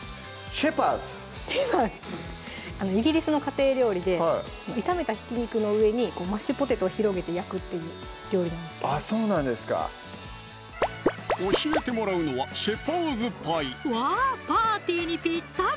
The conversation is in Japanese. シェパーズイギリスの家庭料理で炒めたひき肉の上にマッシュポテトを広げて焼くっていう料理なんですけどあっそうなんですか教えてもらうのは「シェパーズパイ」わパーティーにぴったり！